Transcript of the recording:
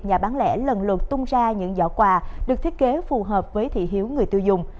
nhà bán lẻ lần lượt tung ra những giỏ quà được thiết kế phù hợp với thị hiếu người tiêu dùng